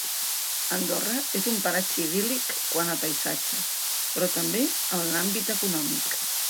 Andorra és un paratge idíl·lic quant a paisatge, però també en l’àmbit econòmic.